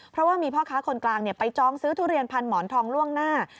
เพราะว่ามีพ่อค้าคนกลางไปจองซื้อทุเรียนพันหมอนทองล่วงหน้า